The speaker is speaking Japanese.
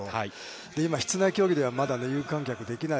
今、室内競技ではまだ有観客できない。